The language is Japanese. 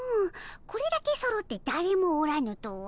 これだけそろってだれもおらぬとは。